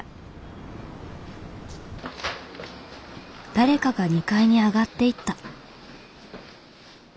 誰かが２階に上がっていった。